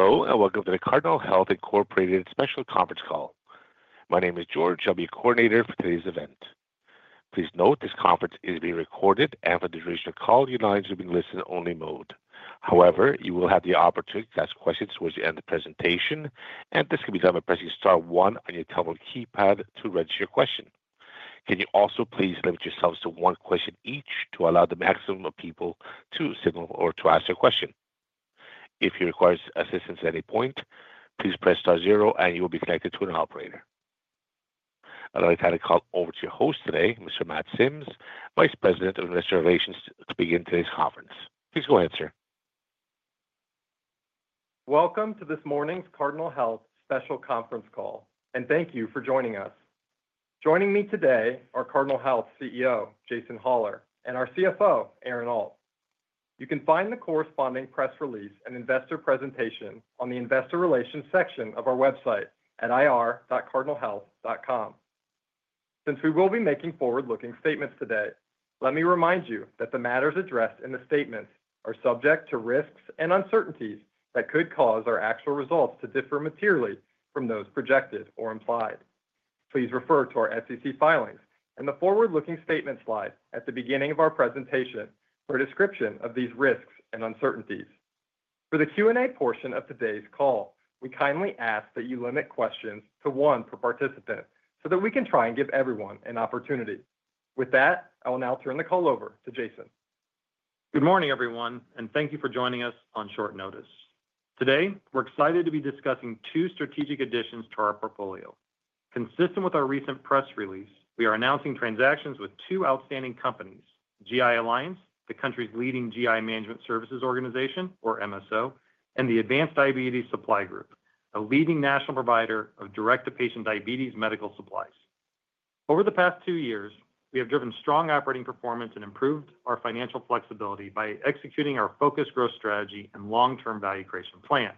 Hello, and welcome to the Cardinal Health Incorporated Special Conference Call. My name is George. I'll be your coordinator for today's event. Please note this conference is being recorded, and for the duration of the call, your line is going to be in listen-only mode. However, you will have the opportunity to ask questions towards the end of the presentation, and this can be done by pressing star one on your telephone keypad to register your question. Can you also please limit yourselves to one question each to allow the maximum of people to signal or to ask a question? If you require assistance at any point, please press star zero, and you will be connected to an operator. I'd like to hand the call over to your host today, Mr. Matt Sims, Vice President of Investor Relations, to begin today's conference. Please go ahead and answer. Welcome to this morning's Cardinal Health special conference call, and thank you for joining us. Joining me today are Cardinal Health CEO, Jason Hollar, and our CFO, Aaron Alt. You can find the corresponding press release and investor presentation on the Investor Relations section of our website at ir.cardinalhealth.com. Since we will be making forward-looking statements today, let me remind you that the matters addressed in the statements are subject to risks and uncertainties that could cause our actual results to differ materially from those projected or implied. Please refer to our SEC filings and the forward-looking statement slide at the beginning of our presentation for a description of these risks and uncertainties. For the Q&A portion of today's call, we kindly ask that you limit questions to one per participant so that we can try and give everyone an opportunity. With that, I will now turn the call over to Jason. Good morning, everyone, and thank you for joining us on short notice. Today, we're excited to be discussing two strategic additions to our portfolio. Consistent with our recent press release, we are announcing transactions with two outstanding companies: GI Alliance, the country's leading GI Management Services Organization, or MSO, and the Advanced Diabetes Supply Group, a leading national provider of direct-to-patient diabetes medical supplies. Over the past two years, we have driven strong operating performance and improved our financial flexibility by executing our focused growth strategy and long-term value creation plan.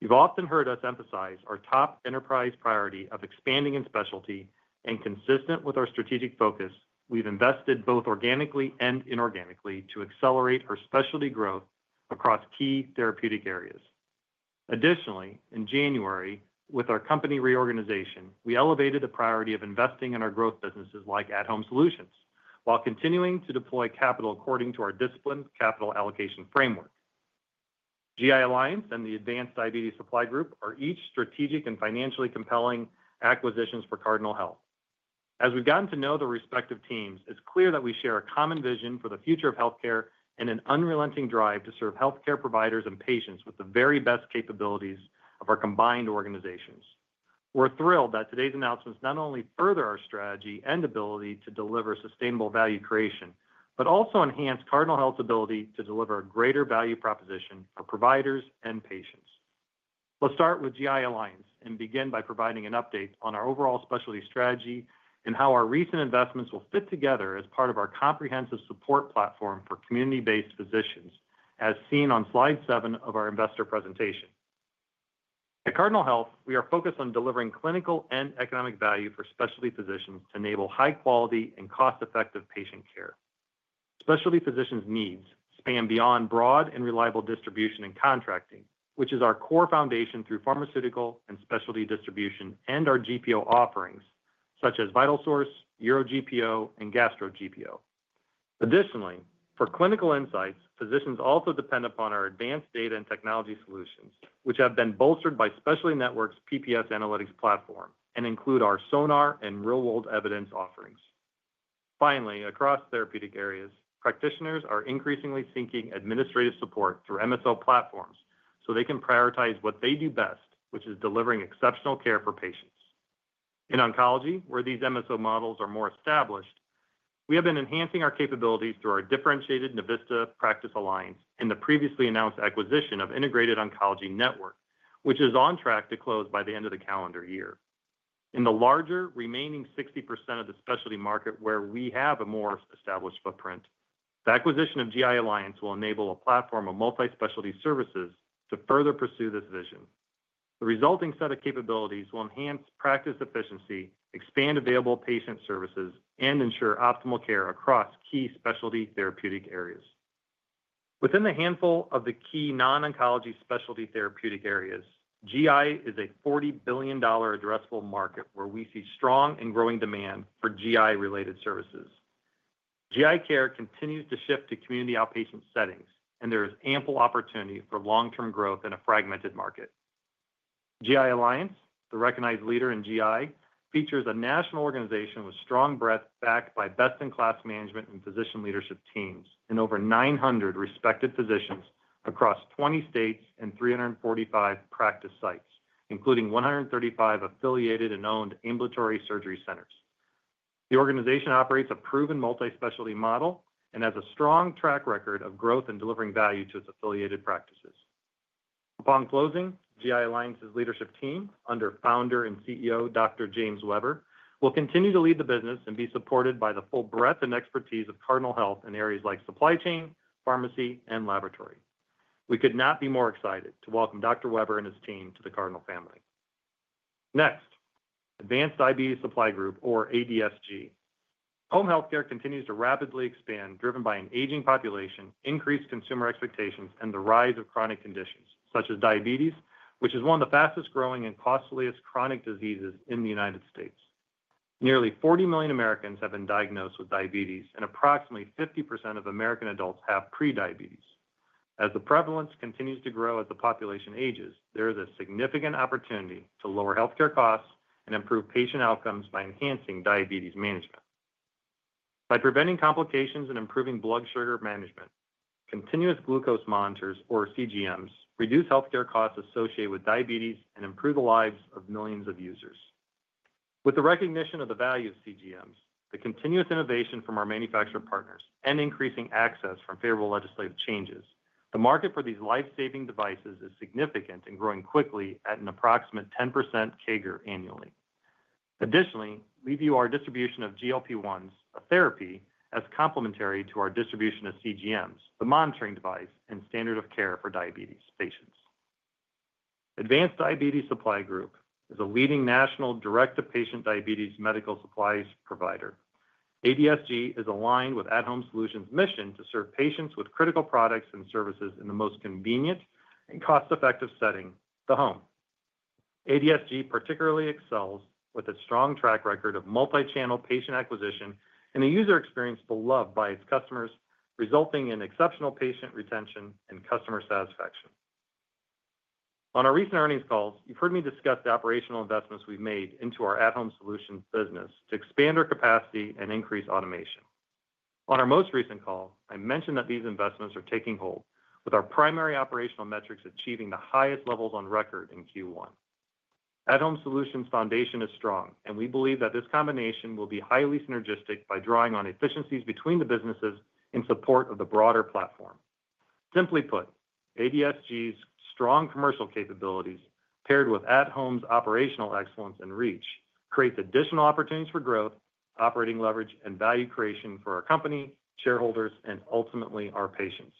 You've often heard us emphasize our top enterprise priority of expanding in specialty, and consistent with our strategic focus, we've invested both organically and inorganically to accelerate our specialty growth across key therapeutic areas. Additionally, in January, with our company reorganization, we elevated the priority of investing in our growth businesses like at-home solutions while continuing to deploy capital according to our disciplined capital allocation framework. GI Alliance and the Advanced Diabetes Supply Group are each strategic and financially compelling acquisitions for Cardinal Health. As we've gotten to know the respective teams, it's clear that we share a common vision for the future of healthcare and an unrelenting drive to serve healthcare providers and patients with the very best capabilities of our combined organizations. We're thrilled that today's announcements not only further our strategy and ability to deliver sustainable value creation, but also enhance Cardinal Health's ability to deliver a greater value proposition for providers and patients. Let's start with GI Alliance and begin by providing an update on our overall specialty strategy and how our recent investments will fit together as part of our comprehensive support platform for community-based physicians, as seen on slide seven of our investor presentation. At Cardinal Health, we are focused on delivering clinical and economic value for specialty physicians to enable high-quality and cost-effective patient care. Specialty physicians' needs span beyond broad and reliable distribution and contracting, which is our core foundation through pharmaceutical and specialty distribution and our GPO offerings such as VitalSource, UroGPO, and GastroGPO. Additionally, for clinical insights, physicians also depend upon our advanced data and technology solutions, which have been bolstered by Specialty Networks' PPS Analytics platform and include our Sonar and real-world evidence offerings. Finally, across therapeutic areas, practitioners are increasingly seeking administrative support through MSO platforms so they can prioritize what they do best, which is delivering exceptional care for patients. In oncology, where these MSO models are more established, we have been enhancing our capabilities through our differentiated Navista practice alliance and the previously announced acquisition of Integrated Oncology Network, which is on track to close by the end of the calendar year. In the larger remaining 60% of the specialty market where we have a more established footprint, the acquisition of GI Alliance will enable a platform of multi-specialty services to further pursue this vision. The resulting set of capabilities will enhance practice efficiency, expand available patient services, and ensure optimal care across key specialty therapeutic areas. Within a handful of key non-oncology specialty therapeutic areas, GI is a $40 billion addressable market where we see strong and growing demand for GI-related services. GI care continues to shift to community outpatient settings, and there is ample opportunity for long-term growth in a fragmented market. GI Alliance, the recognized leader in GI, features a national organization with strong breadth backed by best-in-class management and physician leadership teams and over 900 respected physicians across 20 states and 345 practice sites, including 135 affiliated and owned ambulatory surgery centers. The organization operates a proven multi-specialty model and has a strong track record of growth and delivering value to its affiliated practices. Upon closing, GI Alliance's leadership team under founder and CEO Dr. James Weber will continue to lead the business and be supported by the full breadth and expertise of Cardinal Health in areas like supply chain, pharmacy, and laboratory. We could not be more excited to welcome Dr. Weber and his team to the Cardinal family. Next, Advanced Diabetes Supply Group, or ADSG. Home healthcare continues to rapidly expand, driven by an aging population, increased consumer expectations, and the rise of chronic conditions such as diabetes, which is one of the fastest-growing and costliest chronic diseases in the United States. Nearly 40 million Americans have been diagnosed with diabetes, and approximately 50% of American adults have prediabetes. As the prevalence continues to grow as the population ages, there is a significant opportunity to lower healthcare costs and improve patient outcomes by enhancing diabetes management. By preventing complications and improving blood sugar management, continuous glucose monitors, or CGMs, reduce healthcare costs associated with diabetes and improve the lives of millions of users. With the recognition of the value of CGMs, the continuous innovation from our manufacturer partners, and increasing access from favorable legislative changes, the market for these lifesaving devices is significant and growing quickly at an approximate 10% CAGR annually. Additionally, we view our distribution of GLP-1s, a therapy, as complementary to our distribution of CGMs, the monitoring device and standard of care for diabetes patients. Advanced Diabetes Supply Group is a leading national direct-to-patient diabetes medical supplies provider. ADSG is aligned with At Home Solutions' mission to serve patients with critical products and services in the most convenient and cost-effective setting, the home. ADSG particularly excels with its strong track record of multi-channel patient acquisition and a user experience beloved by its customers, resulting in exceptional patient retention and customer satisfaction. On our recent earnings calls, you've heard me discuss the operational investments we've made into our at-Home Solutions business to expand our capacity and increase automation. On our most recent call, I mentioned that these investments are taking hold, with our primary operational metrics achieving the highest levels on record in Q1. At Home Solutions' foundation is strong, and we believe that this combination will be highly synergistic by drawing on efficiencies between the businesses in support of the broader platform. Simply put, ADSG's strong commercial capabilities, paired with at-home's operational excellence and reach, create additional opportunities for growth, operating leverage, and value creation for our company, shareholders, and ultimately our patients.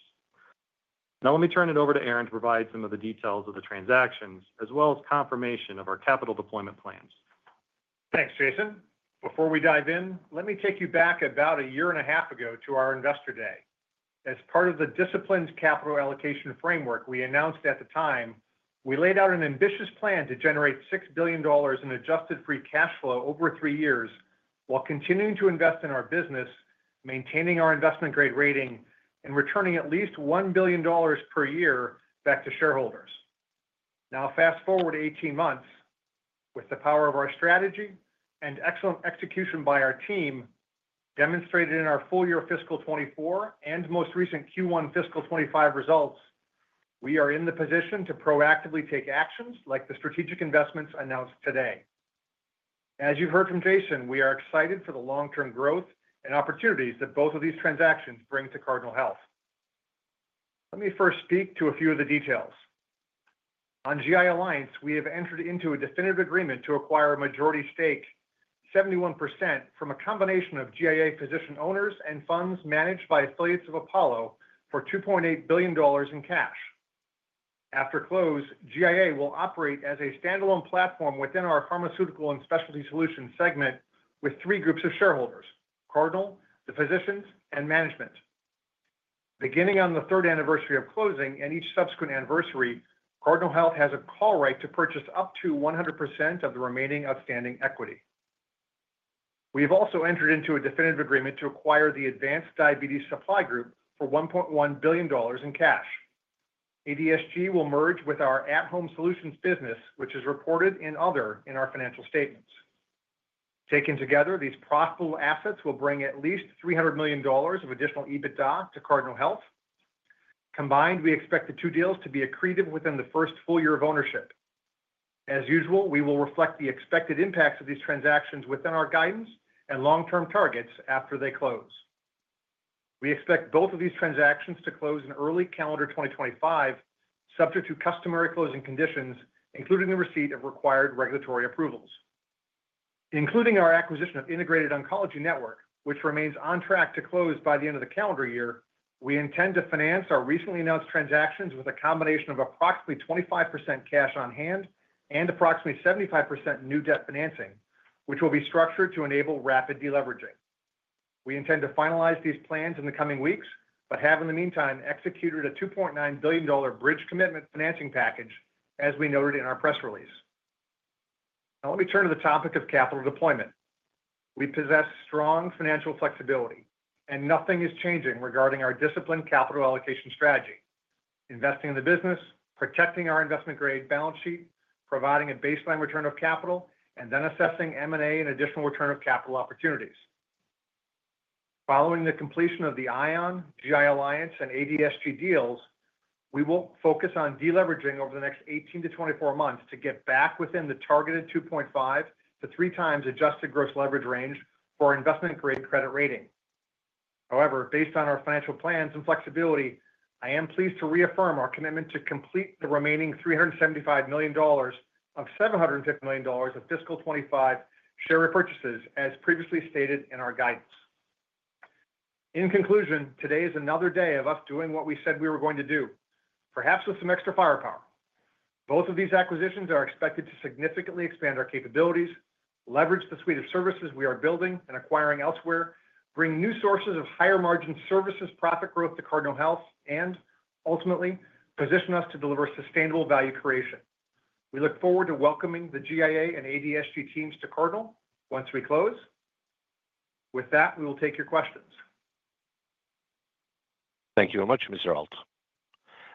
Now, let me turn it over to Aaron to provide some of the details of the transactions, as well as confirmation of our capital deployment plans. Thanks, Jason. Before we dive in, let me take you back about a year and a half ago to our investor day. As part of the discipline capital allocation framework we announced at the time, we laid out an ambitious plan to generate $6 billion in adjusted free cash flow over three years while continuing to invest in our business, maintaining our investment grade rating, and returning at least $1 billion per year back to shareholders. Now, fast forward 18 months, with the power of our strategy and excellent execution by our team demonstrated in our full year fiscal 2024 and most recent Q1 fiscal 2025 results, we are in the position to proactively take actions like the strategic investments announced today. As you've heard from Jason, we are excited for the long-term growth and opportunities that both of these transactions bring to Cardinal Health. Let me first speak to a few of the details. On GI Alliance, we have entered into a definitive agreement to acquire a majority stake, 71%, from a combination of GIA physician owners and funds managed by affiliates of Apollo for $2.8 billion in cash. After close, GIA will operate as a standalone platform within our pharmaceutical and specialty solutions segment with three groups of shareholders: Cardinal, the physicians, and management. Beginning on the third anniversary of closing and each subsequent anniversary, Cardinal Health has a call right to purchase up to 100% of the remaining outstanding equity. We have also entered into a definitive agreement to acquire the Advanced Diabetes Supply Group for $1.1 billion in cash. ADSG will merge with our at-home solutions business, which is reported in Other in our financial statements. Taken together, these profitable assets will bring at least $300 million of additional EBITDA to Cardinal Health. Combined, we expect the two deals to be accretive within the first full year of ownership. As usual, we will reflect the expected impacts of these transactions within our guidance and long-term targets after they close. We expect both of these transactions to close in early calendar 2025, subject to customary closing conditions, including the receipt of required regulatory approvals. Including our acquisition of Integrated Oncology Network, which remains on track to close by the end of the calendar year, we intend to finance our recently announced transactions with a combination of approximately 25% cash on hand and approximately 75% new debt financing, which will be structured to enable rapid deleveraging. We intend to finalize these plans in the coming weeks, but have in the meantime executed a $2.9 billion bridge commitment financing package, as we noted in our press release. Now, let me turn to the topic of capital deployment. We possess strong financial flexibility, and nothing is changing regarding our disciplined capital allocation strategy: investing in the business, protecting our investment grade balance sheet, providing a baseline return of capital, and then assessing M&A and additional return of capital opportunities. Following the completion of the ION, GI Alliance, and ADSG deals, we will focus on deleveraging over the next 18-24 months to get back within the targeted 2.5-3 times adjusted gross leverage range for our investment grade credit rating. However, based on our financial plans and flexibility, I am pleased to reaffirm our commitment to complete the remaining $375 million of $750 million of fiscal 2025 share purchases, as previously stated in our guidance. In conclusion, today is another day of us doing what we said we were going to do, perhaps with some extra firepower. Both of these acquisitions are expected to significantly expand our capabilities, leverage the suite of services we are building and acquiring elsewhere, bring new sources of higher margin services profit growth to Cardinal Health, and ultimately position us to deliver sustainable value creation. We look forward to welcoming the GIA and ADSG teams to Cardinal once we close. With that, we will take your questions. Thank you very much, Mr.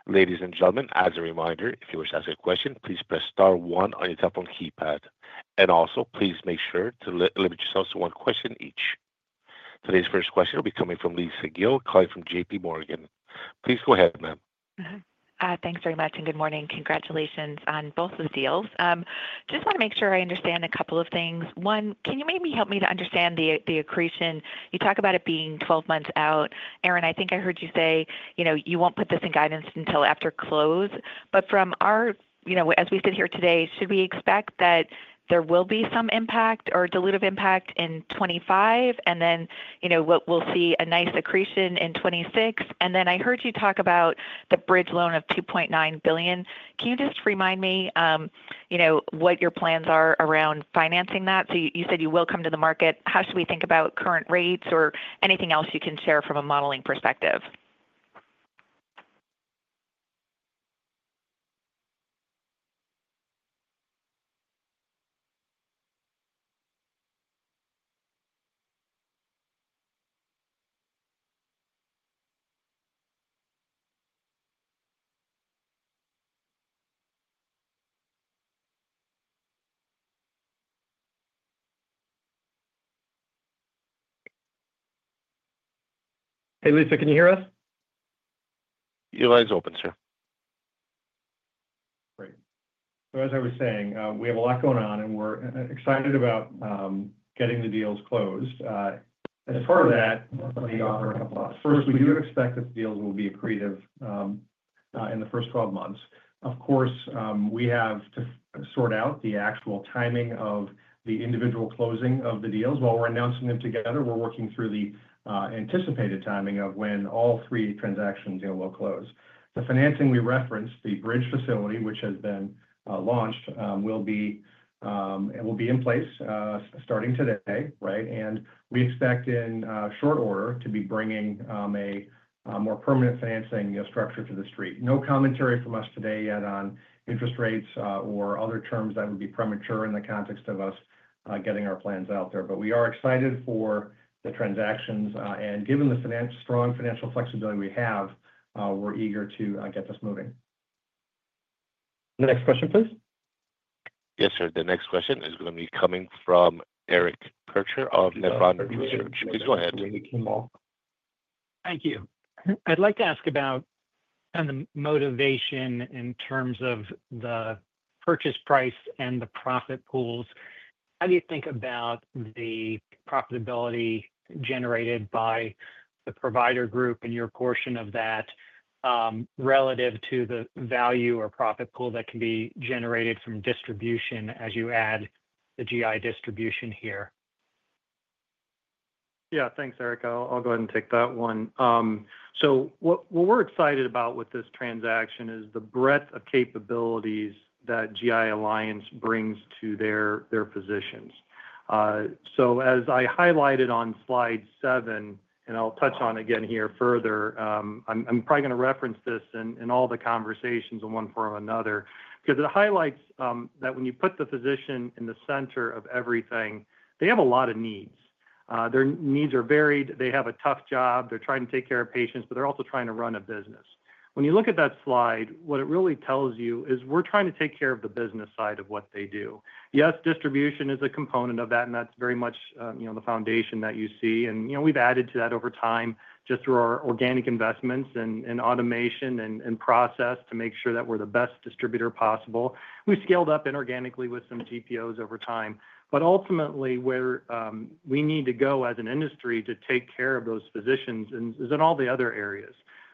Alt. Ladies and gentlemen, as a reminder, if you wish to ask a question, please press star one on your touch-tone keypad, and also, please make sure to limit yourselves to one question each. Today's first question will be coming from Lisa Gill, calling from JPMorgan. Please go ahead, ma'am. Thanks very much and good morning. Congratulations on both of the deals. Just want to make sure I understand a couple of things. One, can you maybe help me to understand the accretion? You talk about it being 12 months out. Aaron, I think I heard you say you won't put this in guidance until after close. But from our, as we sit here today, should we expect that there will be some impact or dilutive impact in 2025, and then we'll see a nice accretion in 2026? And then I heard you talk about the bridge loan of $2.9 billion. Can you just remind me what your plans are around financing that? So you said you will come to the market. How should we think about current rates or anything else you can share from a modeling perspective? Hey, Lisa, can you hear us? Your line's open, sir. Great. So as I was saying, we have a lot going on, and we're excited about getting the deals closed. As part of that, let me offer a couple of thoughts. First, we do expect that the deals will be accretive in the first 12 months. Of course, we have to sort out the actual timing of the individual closing of the deals. While we're announcing them together, we're working through the anticipated timing of when all three transactions will close. The financing we referenced, the bridge facility, which has been launched, will be in place starting today, right? And we expect in short order to be bringing a more permanent financing structure to the street. No commentary from us today yet on interest rates or other terms that would be premature in the context of us getting our plans out there. But we are excited for the transactions. Given the strong financial flexibility we have, we're eager to get this moving. Next question, please. Yes, sir. The next question is going to be coming from Eric Percher of Nephron Research. Please go ahead. Thank you. I'd like to ask about the motivation in terms of the purchase price and the profit pools. How do you think about the profitability generated by the provider group and your portion of that relative to the value or profit pool that can be generated from distribution as you add the GI distribution here? Yeah, thanks, Eric. I'll go ahead and take that one. So, what we're excited about with this transaction is the breadth of capabilities that GI Alliance brings to their physicians. So, as I highlighted on slide seven, and I'll touch on it again here further, I'm probably going to reference this in all the conversations in one form or another because it highlights that when you put the physician in the center of everything, they have a lot of needs. Their needs are varied. They have a tough job. They're trying to take care of patients, but they're also trying to run a business. When you look at that slide, what it really tells you is we're trying to take care of the business side of what they do. Yes, distribution is a component of that, and that's very much the foundation that you see. And we've added to that over time just through our organic investments and automation and process to make sure that we're the best distributor possible. We've scaled up inorganically with some GPOs over time. But ultimately, where we need to go as an industry to take care of those physicians is in all the other areas.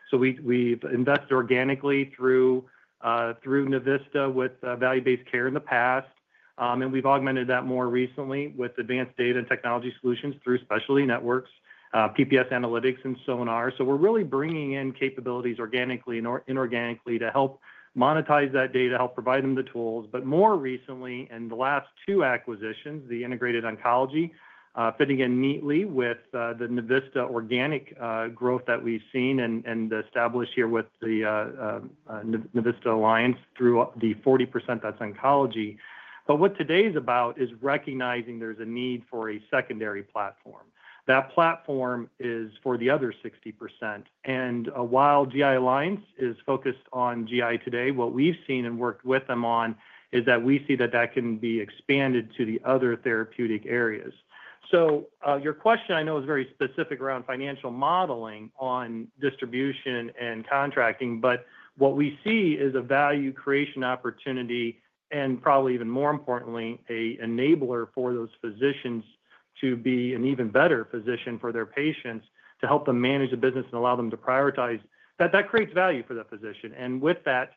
So we've invested organically through Navista with value-based care in the past. And we've augmented that more recently with advanced data and technology solutions through Specialty Networks, PPS Analytics, and Sonar. So we're really bringing in capabilities organically and inorganically to help monetize that data, help provide them the tools. But more recently, in the last two acquisitions, the Integrated Oncology Network fitting in neatly with the Navista organic growth that we've seen and established here with the Navista Alliance through the 40% that's oncology. But what today is about is recognizing there's a need for a secondary platform. That platform is for the other 60%. And while GI Alliance is focused on GI today, what we've seen and worked with them on is that we see that that can be expanded to the other therapeutic areas. So your question, I know, is very specific around financial modeling on distribution and contracting. But what we see is a value creation opportunity and probably even more importantly, an enabler for those physicians to be an even better physician for their patients to help them manage the business and allow them to prioritize. That creates value for that physician. And with that,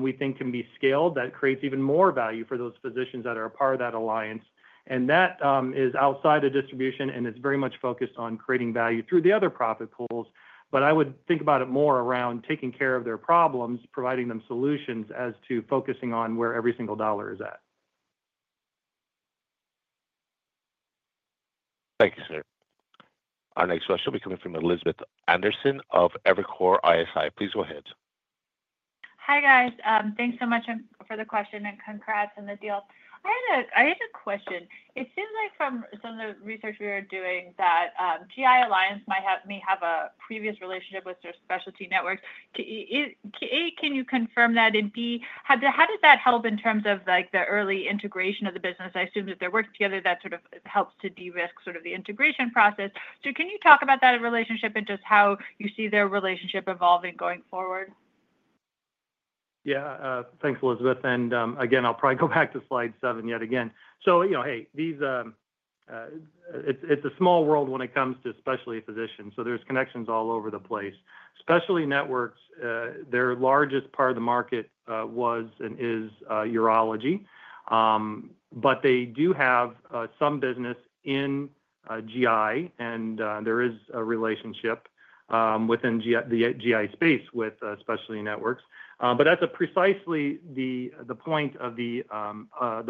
we think can be scaled. That creates even more value for those physicians that are a part of that alliance. And that is outside of distribution, and it's very much focused on creating value through the other profit pools. But I would think about it more around taking care of their problems, providing them solutions as to focusing on where every single dollar is at. Thank you, sir. Our next question will be coming from Elizabeth Anderson of Evercore ISI. Please go ahead. Hi, guys. Thanks so much for the question and congrats on the deal. I had a question. It seems like from some of the research we are doing that GI Alliance may have a previous relationship with their Specialty Networks. A, can you confirm that? And B, how does that help in terms of the early integration of the business? I assume that they're working together, that sort of helps to de-risk sort of the integration process. So can you talk about that relationship and just how you see their relationship evolving going forward? Yeah. Thanks, Elizabeth. And again, I'll probably go back to slide seven yet again. So hey, it's a small world when it comes to especially physicians. So there's connections all over the place. Specialty Networks, their largest part of the market was and is urology. But they do have some business in GI, and there is a relationship within the GI space with Specialty Networks. But that's precisely the point of the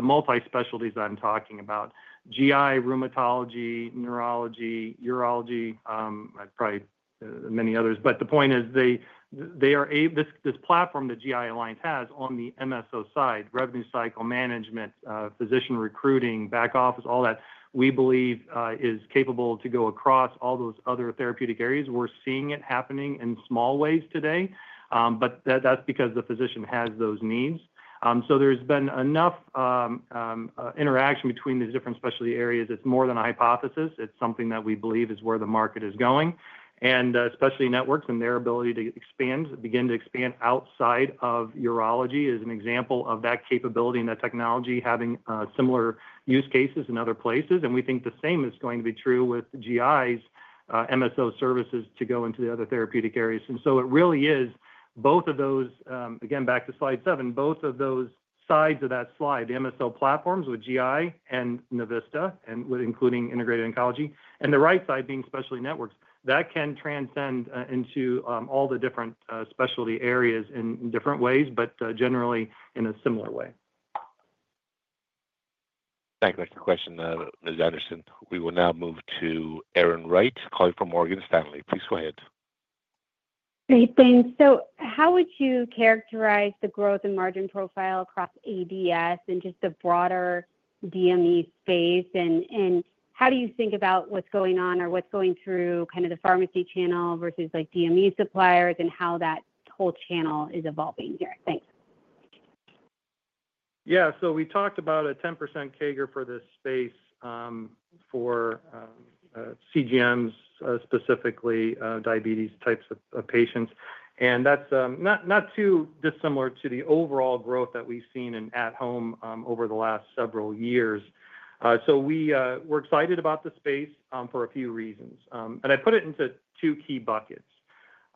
multi-specialties I'm talking about: GI, rheumatology, neurology, urology, probably many others. But the point is this platform that GI Alliance has on the MSO side, revenue cycle management, physician recruiting, back office, all that, we believe is capable to go across all those other therapeutic areas. We're seeing it happening in small ways today, but that's because the physician has those needs. So there's been enough interaction between the different specialty areas. It's more than a hypothesis. It's something that we believe is where the market is going. And Specialty Networks and their ability to expand, begin to expand outside of urology is an example of that capability and that technology having similar use cases in other places. And we think the same is going to be true with GI's MSO services to go into the other therapeutic areas. And so it really is both of those, again, back to slide seven, both of those sides of that slide, the MSO platforms with GI and Navista, including Integrated Oncology, and the right side being Specialty Networks, that can transcend into all the different specialty areas in different ways, but generally in a similar way. Thank you for the question, Ms. Anderson. We will now move to Erin Wright, calling from Morgan Stanley. Please go ahead. Great. Thanks. So how would you characterize the growth and margin profile across ADS and just the broader DME space? And how do you think about what's going on or what's going through kind of the pharmacy channel versus DME suppliers and how that whole channel is evolving here? Thanks. Yeah. So we talked about a 10% CAGR for this space for CGMs, specifically diabetes types of patients. And that's not too dissimilar to the overall growth that we've seen in at-home over the last several years. So we're excited about the space for a few reasons. And I put it into two key buckets.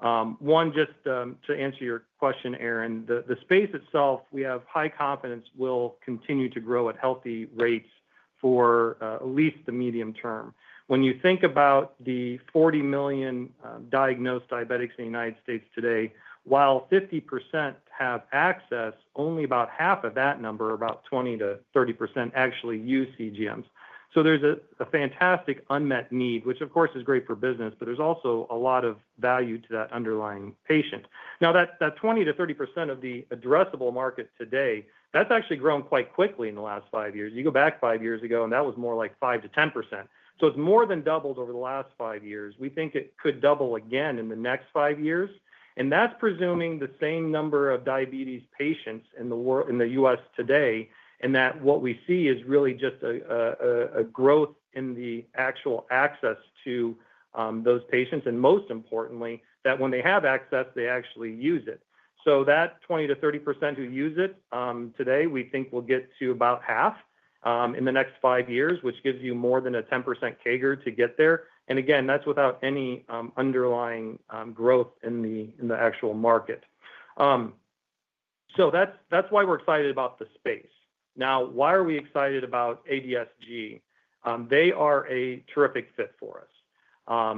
One, just to answer your question, Aaron, the space itself, we have high confidence will continue to grow at healthy rates for at least the medium term. When you think about the 40 million diagnosed diabetics in the United States today, while 50% have access, only about half of that number, about 20%-30%, actually use CGMs. So there's a fantastic unmet need, which, of course, is great for business, but there's also a lot of value to that underlying patient. Now, that 20-30% of the addressable market today, that's actually grown quite quickly in the last five years. You go back five years ago, and that was more like 5-10%. So it's more than doubled over the last five years. We think it could double again in the next five years. And that's presuming the same number of diabetes patients in the U.S. today and that what we see is really just a growth in the actual access to those patients. And most importantly, that when they have access, they actually use it. So that 20-30% who use it today, we think will get to about half in the next five years, which gives you more than a 10% CAGR to get there. And again, that's without any underlying growth in the actual market. So that's why we're excited about the space. Now, why are we excited about ADSG? They are a terrific fit for us.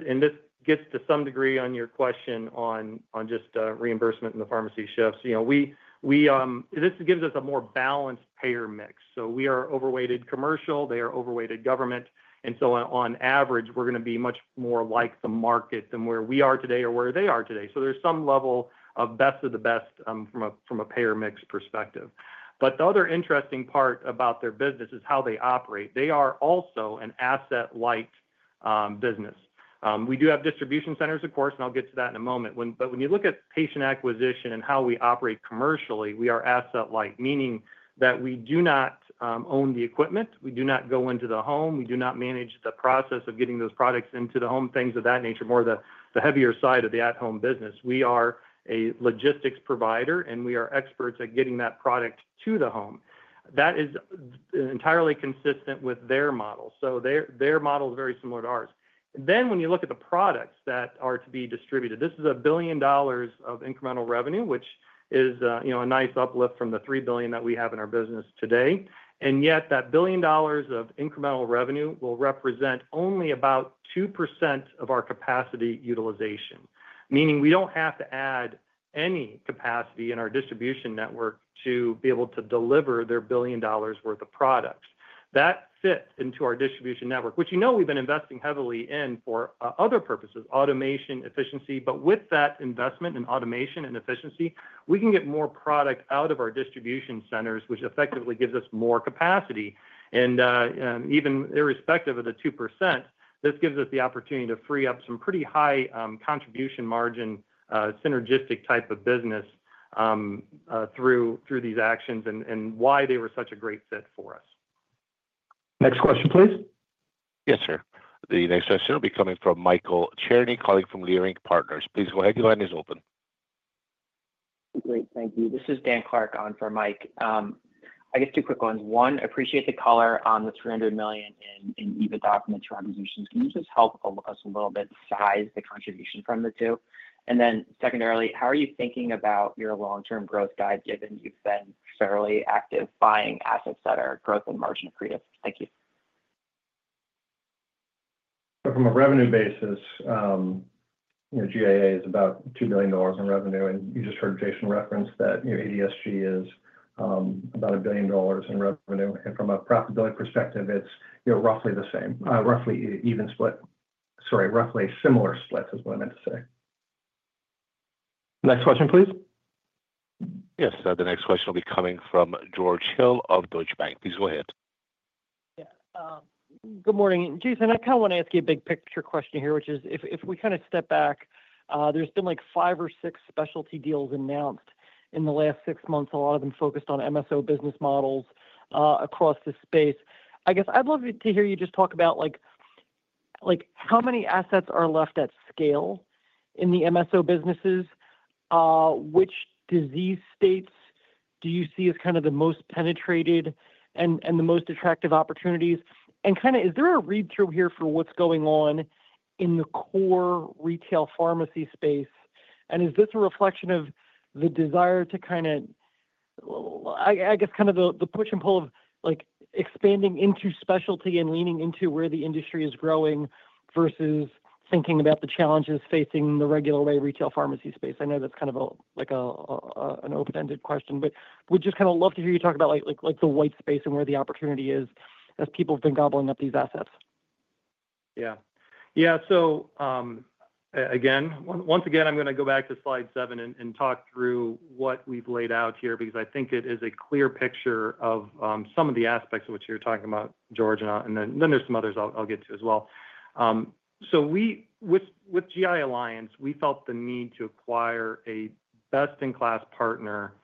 And this gets to some degree on your question on just reimbursement and the pharmacy shifts. This gives us a more balanced payer mix. So we are overweighted commercial. They are overweighted government. And so on average, we're going to be much more like the market than where we are today or where they are today. So there's some level of best of the best from a payer mix perspective. But the other interesting part about their business is how they operate. They are also an asset-light business. We do have distribution centers, of course, and I'll get to that in a moment. But when you look at patient acquisition and how we operate commercially, we are asset-light, meaning that we do not own the equipment. We do not go into the home. We do not manage the process of getting those products into the home, things of that nature, more the heavier side of the at-home business. We are a logistics provider, and we are experts at getting that product to the home. That is entirely consistent with their model. So their model is very similar to ours. Then when you look at the products that are to be distributed, this is $1 billion of incremental revenue, which is a nice uplift from the $3 billion that we have in our business today. And yet, that $1 billion of incremental revenue will represent only about 2% of our capacity utilization, meaning we don't have to add any capacity in our distribution network to be able to deliver their $1 billion worth of products. That fits into our distribution network, which we've been investing heavily in for other purposes: automation, efficiency. But with that investment in automation and efficiency, we can get more product out of our distribution centers, which effectively gives us more capacity. And even irrespective of the 2%, this gives us the opportunity to free up some pretty high contribution margin synergistic type of business through these actions and why they were such a great fit for us. Next question, please. Yes, sir. The next question will be coming from Michael Cherny, calling from Leerink Partners. Please go ahead. Your line is open. Great. Thank you. This is Dan Clark on for Mike. I guess two quick ones. One, appreciate the color on the $300 million in EBITDA from the two acquisitions. Can you just help us a little bit size the contribution from the two? And then secondarily, how are you thinking about your long-term growth drive, given you've been fairly active buying assets that are growth and margin accretive? Thank you. From a revenue basis, GIA is about $2 billion in revenue. You just heard Jason reference that ADSG is about $1 billion in revenue. From a profitability perspective, it's roughly the same, roughly even split. Sorry, roughly similar split is what I meant to say. Next question, please. Yes. The next question will be coming from George Hill of Deutsche Bank. Please go ahead. Yeah. Good morning. Jason, I kind of want to ask you a big picture question here, which is if we kind of step back, there's been like five or six specialty deals announced in the last six months. A lot of them focused on MSO business models across the space. I guess I'd love to hear you just talk about how many assets are left at scale in the MSO businesses, which disease states do you see as kind of the most penetrated and the most attractive opportunities? And kind of is there a read-through here for what's going on in the core retail pharmacy space? And is this a reflection of the desire to kind of, I guess, kind of the push and pull of expanding into specialty and leaning into where the industry is growing versus thinking about the challenges facing the regular way retail pharmacy space? I know that's kind of an open-ended question, but we'd just kind of love to hear you talk about the white space and where the opportunity is as people have been gobbling up these assets. Yeah. Yeah. So again, once again, I'm going to go back to slide seven and talk through what we've laid out here because I think it is a clear picture of some of the aspects of which you're talking about, George, and then there's some others I'll get to as well. So with GI Alliance, we felt the need to acquire a best-in-class partner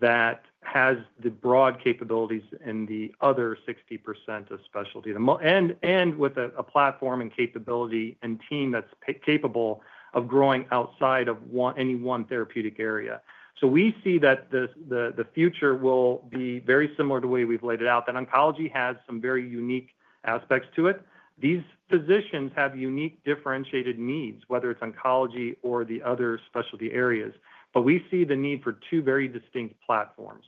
that has the broad capabilities in the other 60% of specialty and with a platform and capability and team that's capable of growing outside of any one therapeutic area. So we see that the future will be very similar to the way we've laid it out, that oncology has some very unique aspects to it. These physicians have unique differentiated needs, whether it's oncology or the other specialty areas. But we see the need for two very distinct platforms: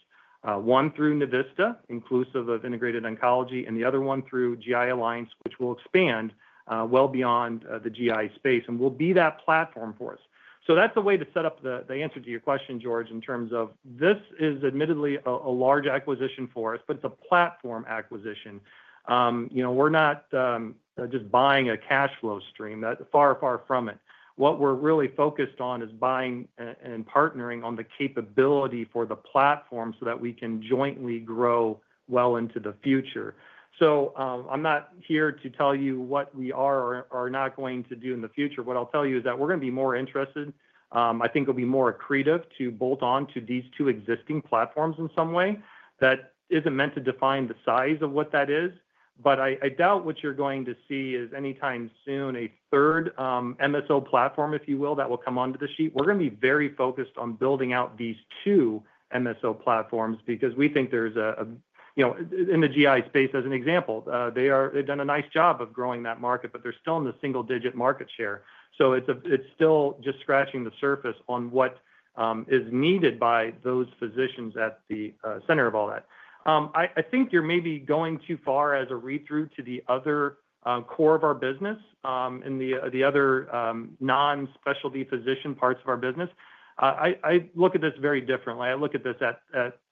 one through Navista, inclusive of Integrated Oncology, and the other one through GI Alliance, which will expand well beyond the GI space and will be that platform for us. So that's the way to set up the answer to your question, George, in terms of this is admittedly a large acquisition for us, but it's a platform acquisition. We're not just buying a cash flow stream. That's∂ far, far from it. What we're really focused on is buying and partnering on the capability for the platform so that we can jointly grow well into the future. So I'm not here to tell you what we are or are not going to do in the future. What I'll tell you is that we're going to be more interested. I think it'll be more accretive to bolt on to these two existing platforms in some way. That isn't meant to define the size of what that is. But I doubt what you're going to see is anytime soon a third MSO platform, if you will, that will come onto the sheet. We're going to be very focused on building out these two MSO platforms because we think there's a in the GI space, as an example, they've done a nice job of growing that market, but they're still in the single-digit market share. So it's still just scratching the surface on what is needed by those physicians at the center of all that. I think you're maybe going too far as a read-through to the other core of our business and the other non-specialty physician parts of our business. I look at this very differently. I look at this.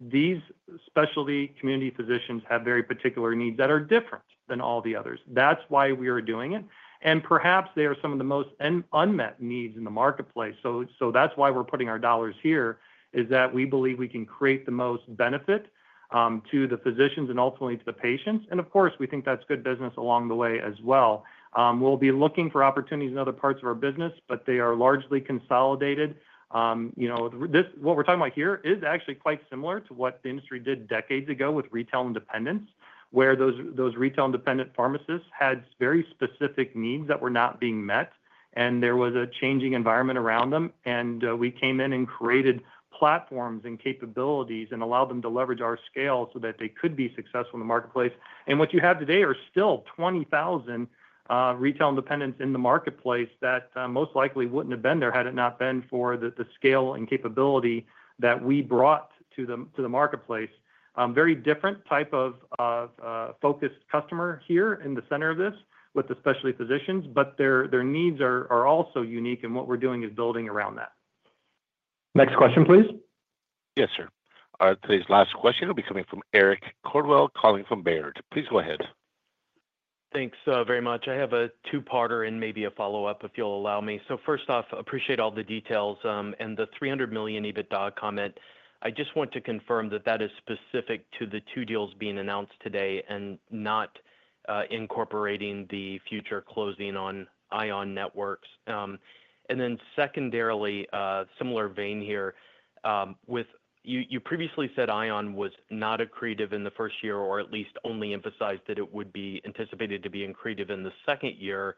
These specialty community physicians have very particular needs that are different than all the others. That's why we are doing it, and perhaps they are some of the most unmet needs in the marketplace. That's why we're putting our dollars here, is that we believe we can create the most benefit to the physicians and ultimately to the patients. Of course, we think that's good business along the way as well. We'll be looking for opportunities in other parts of our business, but they are largely consolidated. What we're talking about here is actually quite similar to what the industry did decades ago with retail independence, where those retail independent pharmacists had very specific needs that were not being met, and there was a changing environment around them. We came in and created platforms and capabilities and allowed them to leverage our scale so that they could be successful in the marketplace. What you have today are still 20,000 retail independents in the marketplace that most likely wouldn't have been there had it not been for the scale and capability that we brought to the marketplace. Very different type of focused customer here in the center of this with the specialty physicians, but their needs are also unique. What we're doing is building around that. Next question, please. Yes, sir. All right. Today's last question will be coming from Eric Coldwell, calling from Baird. Please go ahead. Thanks very much. I have a two-parter and maybe a follow-up, if you'll allow me. So first off, appreciate all the details and the $300 million EBITDA comment. I just want to confirm that that is specific to the two deals being announced today and not incorporating the future closing on ION. And then secondarily, similar vein here, you previously said ION was not accretive in the first year or at least only emphasized that it would be anticipated to be accretive in the second year.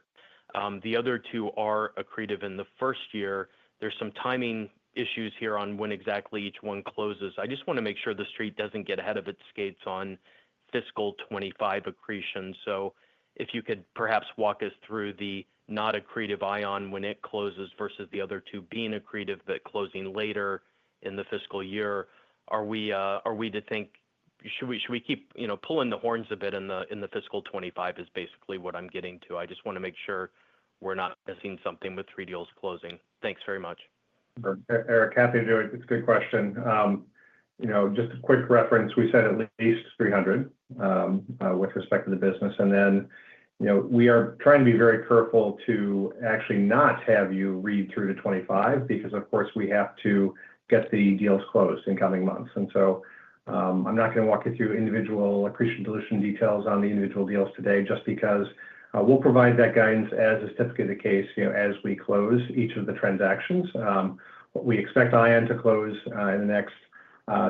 The other two are accretive in the first year. There's some timing issues here on when exactly each one closes. I just want to make sure the street doesn't get ahead of its skates on fiscal 2025 accretion. So, if you could perhaps walk us through the not accretive ION when it closes versus the other two being accretive but closing later in the fiscal year, are we to think should we keep pulling in our horns a bit in fiscal 2025? Is basically what I'm getting to. I just want to make sure we're not missing something with three deals closing. Thanks very much. Eric, happy to do it. It's a good question. Just a quick reference, we said at least 300 with respect to the business. And then we are trying to be very careful to actually not have you read through the 25 because, of course, we have to get the deals closed in coming months. And so I'm not going to walk you through individual accretion dilution details on the individual deals today just because we'll provide that guidance as is typically the case as we close each of the transactions. We expect ION to close in the next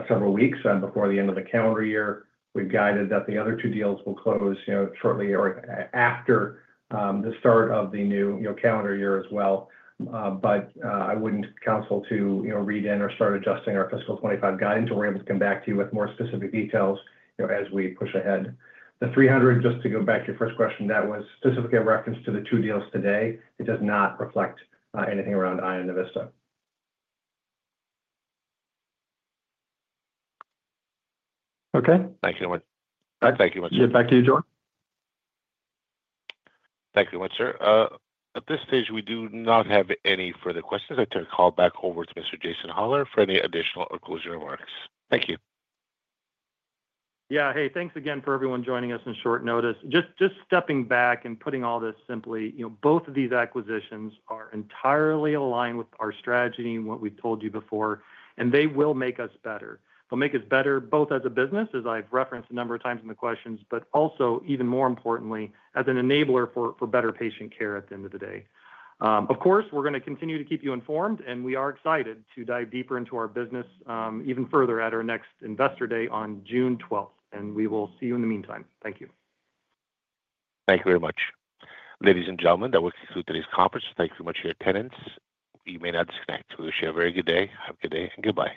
several weeks before the end of the calendar year. We've guided that the other two deals will close shortly or after the start of the new calendar year as well. But I wouldn't counsel to read in or start adjusting our fiscal 2025 guidance. We're able to come back to you with more specific details as we push ahead. The 300, just to go back to your first question, that was specifically a reference to the two deals today. It does not reflect anything around ION Navista. Okay. Thank you very much. Thank you much, sir. Yeah, back to you, George. Thank you very much, sir. At this stage, we do not have any further questions. I turn the call back over to Mr. Jason Hollar for any additional or closing remarks. Thank you. Yeah. Hey, thanks again for everyone joining us on short notice. Just stepping back and putting all this simply, both of these acquisitions are entirely aligned with our strategy and what we've told you before, and they will make us better. They'll make us better both as a business, as I've referenced a number of times in the questions, but also, even more importantly, as an enabler for better patient care at the end of the day. Of course, we're going to continue to keep you informed, and we are excited to dive deeper into our business even further at our next investor day on June 12th, and we will see you in the meantime. Thank you. Thank you very much. Ladies and gentlemen, that will conclude today's conference. Thank you very much to your attendance. You may now disconnect. We wish you a very good day, have a good day, and goodbye.